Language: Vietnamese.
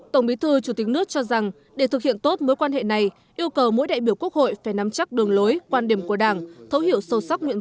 tổng bí thư chủ tịch nước cho rằng để thực hiện tốt mối quan hệ này yêu cầu mỗi đại biểu quốc hội phải nắm chắc đường lối quan điểm của đảng thấu hiểu sâu sắc nguyện